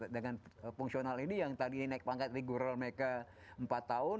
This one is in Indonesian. dengan fungsional ini yang tadinya naik pangkat reguler mereka empat tahun